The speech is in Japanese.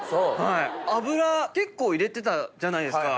油結構入れてたじゃないですか。